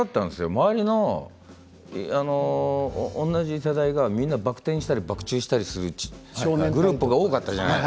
周りの同じ世代がみんなバク転したり、バック宙したりするグループが多かったじゃない。